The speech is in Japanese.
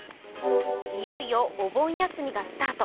いよいよお盆休みがスタート。